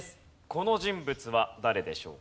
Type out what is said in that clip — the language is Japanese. この人物は誰でしょうか。